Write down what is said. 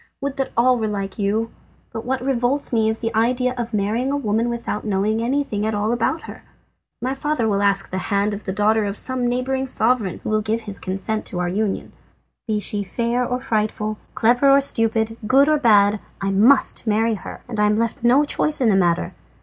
Would that all were like you! But what revolts me is the idea of marrying a woman without knowing anything at all about her. My father will ask the hand of the daughter of some neighbouring sovereign, who will give his consent to our union. Be she fair or frightful, clever or stupid, good or bad, I must marry her, and am left no choice in the matter.